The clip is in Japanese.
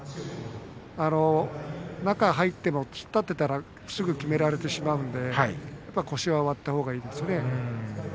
中に入っても突っ立っていたらすぐにきめられてしまうので腰は割ったほうがいいですね。